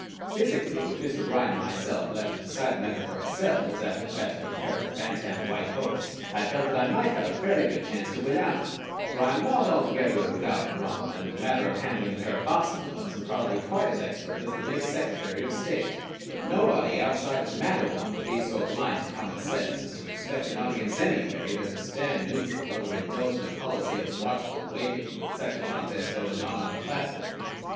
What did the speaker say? Physically, with Mr. Bryan and myself left to decide the matter for ourselves, after the fashion of a pair of bantam white hopes, I felt that I might have a fairly good chance to win out; for I am not altogether without brawn, and in the matter of handling a pair of boxing gloves am probably quite as expert as the late Secretary of State; but nobody outside of Matteawan would be so blind to commonsense as to expect an audience anywhere either to stand neutral or to indulge in a policy of "watchful waiting" with such a contest going on on the platform.